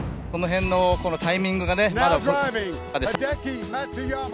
その辺のタイミングが。